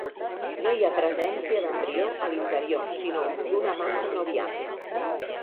No hi ha presència d'embrió a l'interior sinó d'una massa no viable.